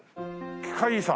機械遺産？